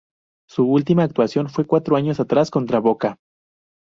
Su última actuación fue cuatro años atrás contra Boca.